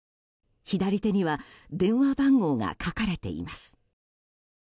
左手には電話番号が書かれています。